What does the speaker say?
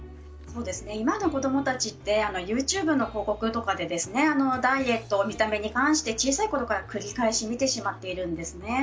今の子供たちってＹｏｕＴｕｂｅの広告とかでダイエットとか見た目に関して小さいころから繰り返し見てしまっているんですね。